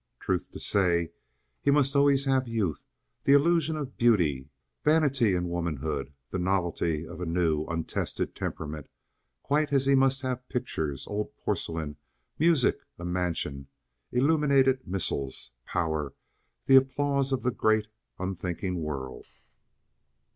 Truth to say, he must always have youth, the illusion of beauty, vanity in womanhood, the novelty of a new, untested temperament, quite as he must have pictures, old porcelain, music, a mansion, illuminated missals, power, the applause of the great, unthinking world.